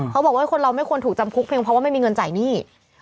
เขาบอกว่าคนเราไม่ควรถูกจำคุกเพียงเพราะว่าไม่มีเงินจ่ายหนี้